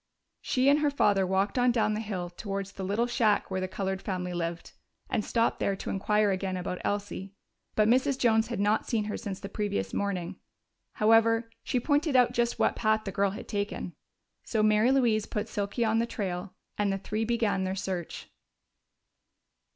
She and her father walked on down the hill towards the little shack where the colored family lived, and stopped there to inquire again about Elsie. But Mrs. Jones had not seen her since the previous morning; however, she pointed out just what path the girl had taken. So Mary Louise put Silky on the trail, and the three began their search.